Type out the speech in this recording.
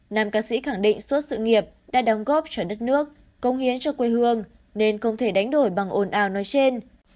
nam ca sĩ khẳng định suốt sự nghiệp đã đóng góp cho đất nước công hiến cho quê hương nên không thể đánh đổi bằng ồn ào nói trên